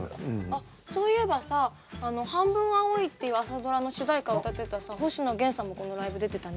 あっそういえばさあの「半分、青い。」っていう「朝ドラ」の主題歌歌ってたさ星野源さんもこのライブ出てたね。